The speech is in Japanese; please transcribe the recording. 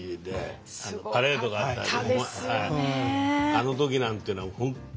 あの時なんていうのは本当